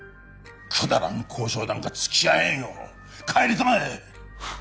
くだらん交渉なんかつきあえんよ帰りたまえ！